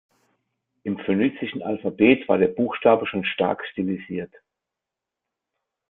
Im phönizischen Alphabet war der Buchstabe schon stark stilisiert.